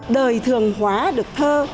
đời thường hóa được thơ